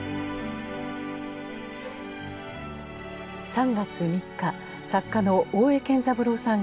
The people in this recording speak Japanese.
３月３日作家の大江健三郎さんが亡くなりました。